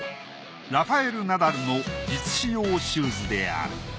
ラファエル・ナダルの実使用シューズである。